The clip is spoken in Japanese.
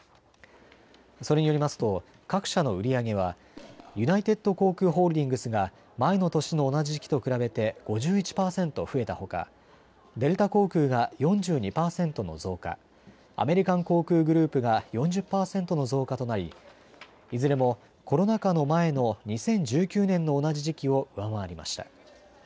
それによりますと各社の売り上げはユナイテッド航空ホールディングスが前の年の同じ時期と比べて５１％増えたほかデルタ航空が４２％の増加、アメリカン航空グループが４０％の増加となりいずれもコロナ禍の前の２０１９年の同じ時期を上回りました。